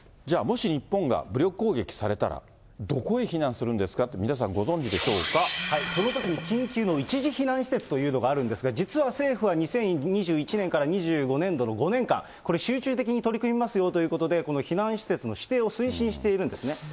じゃあ、もし日本が武力攻撃されたら、どこに避難するんですそのときに緊急の一時避難施設というのがあるんですが、実は政府は２０２１年から２５年度の５年間、これ、集中的に取り組みますよということで、この避難施設の指定を推進しているんですね。